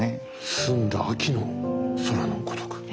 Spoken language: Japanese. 「澄んだ秋の空のごとく」。